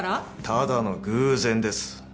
ただの偶然です。